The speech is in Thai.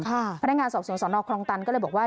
พนักงานสอบสวนสนคลองตันก็เลยบอกว่า